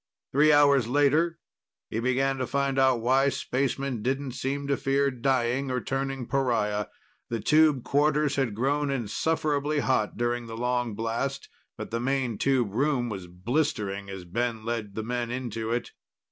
Three hours later he began to find out why spacemen didn't seem to fear dying or turning pariah. The tube quarters had grown insufferably hot during the long blast, but the main tube room was blistering as Ben led the men into it.